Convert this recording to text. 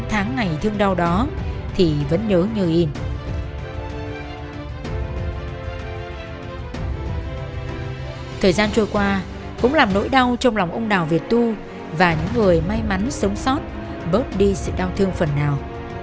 thời gian trôi qua cũng làm nỗi đau trong lòng ông đào việt tu và những người may mắn sống sót bớt đi sự đau thương phần nào